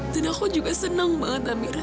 dan aku juga senang banget hamira